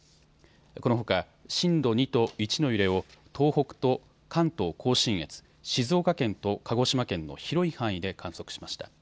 このほか震度２と１の揺れを東北と関東甲信越、静岡県と鹿児島県の広い範囲で観測しました。